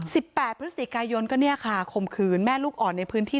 แปดพฤศจิกายนก็เนี่ยค่ะข่มขืนแม่ลูกอ่อนในพื้นที่